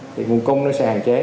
thì nguồn cung nó sẽ hạn chế